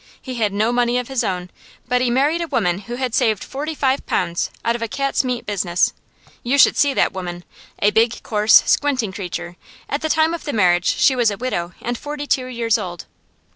He had no money of his own, but he married a woman who had saved forty five pounds out of a cat's meat business. You should see that woman! A big, coarse, squinting creature; at the time of the marriage she was a widow and forty two years old.